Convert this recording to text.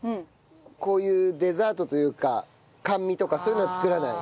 こういうデザートというか甘味とかそういうのは作らない？